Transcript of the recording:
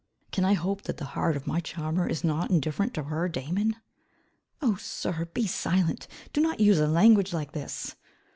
Can I hope that the heart of my charmer is not indifferent to her Damon!" "Oh sir, be silent. Do not use a language like this."